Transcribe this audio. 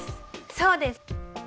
そうです！